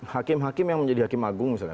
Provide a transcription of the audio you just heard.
hakim hakim yang menjadi hakim agung misalnya